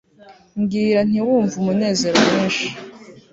mbwira, ntiwumve umunezero mwinshi